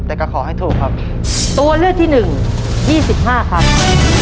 แต่ก็ขอให้ถูกครับตัวเลือกที่หนึ่งยี่สิบห้าครับ